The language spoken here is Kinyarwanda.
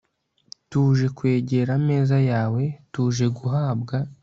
tuje kwegera ameza yawe, tuje guhabwa